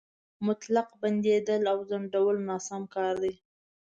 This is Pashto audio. مطلق بندېدل او ځنډول ناسم کار دی.